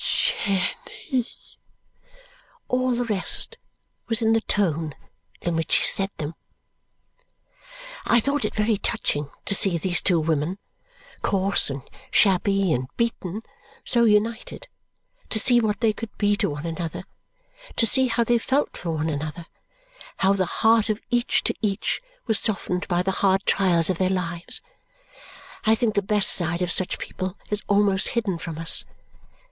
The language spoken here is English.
Jenny!" All the rest was in the tone in which she said them. I thought it very touching to see these two women, coarse and shabby and beaten, so united; to see what they could be to one another; to see how they felt for one another, how the heart of each to each was softened by the hard trials of their lives. I think the best side of such people is almost hidden from us.